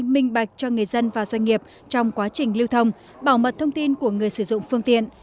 minh bạch cho người dân và doanh nghiệp trong quá trình lưu thông bảo mật thông tin của người sử dụng phương tiện